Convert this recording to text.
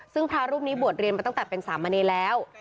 ซึ่งพระรูปนี้บวชเรียนมาตั้งแต่เป็นสามเณรแล้ว